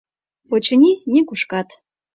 Очыни, нигушкат.